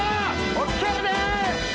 ＯＫです！